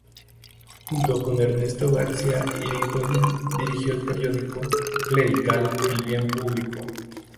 Junto con Ernesto García Irigoyen, dirigió el periódico clerical "El Bien Público".